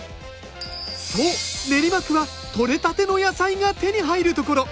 そう練馬区はとれたての野菜が手に入るところ。